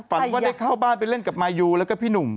ฝันว่าได้เข้าบ้านไปเล่นกับมายูแล้วก็พี่หนุ่ม